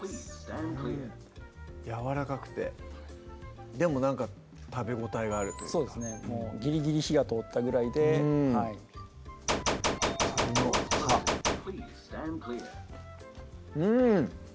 うんやわらかくてでもなんか食べ応えがあるというかギリギリ火が通ったぐらいでうんかぶの葉うん！